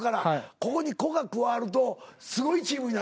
ここに個が加わるとすごいチームになるんだ。